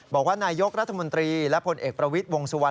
บอกว่านายกรัฐมนตรีและผลเอกประวิทย์วงสุวรร